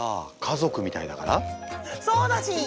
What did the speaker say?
そうだしん！